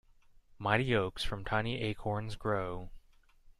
Mighty oaks from tiny acorns grow.